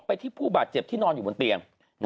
ที่ผู้บาดเจ็บที่นอนอยู่บนเตียง